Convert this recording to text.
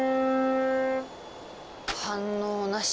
反応なし。